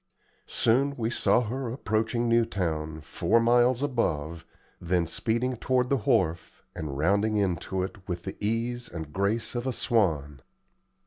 Soon we saw her approaching Newtown, four miles above, then speeding toward the wharf, and rounding into it, with the ease and grace of a swan.